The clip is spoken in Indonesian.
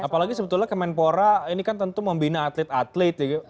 apalagi sebetulnya kemenpora ini kan tentu membina atlet atlet ya